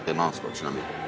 ちなみに。